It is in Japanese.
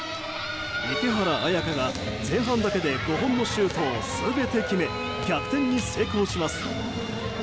池原綾香が前半だけで５本のシュートを全て決め、逆転に成功します。